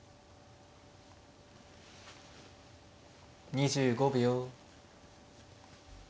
２５秒。